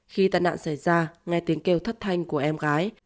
khi tàn nạn xảy ra nghe tiếng kêu thất thanh của em gái